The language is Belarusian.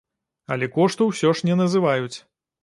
Але кошту ўсё ж не называюць.